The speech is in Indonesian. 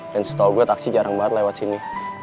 dan setau gue taksi jarang banget lewat sini